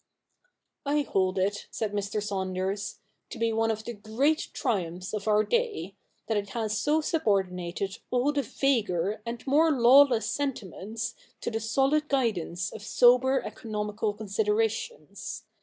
'' I hold it,' said Mr. Saunders, ' to be one of the great triumphs of our day, that it has so subordinated all the vaguer and more lawless sentiments to the solid guidance of sober economical considerations.